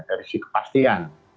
dari sisi kepastian